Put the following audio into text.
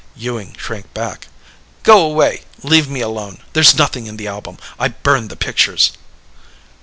Ewing shrank back. "Go away. Let me alone. There's nothing in the album. I burned the pictures."